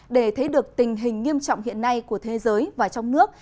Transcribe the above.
để thấy được tình hình nghiêm trọng hiện nay của thế giới và trong nước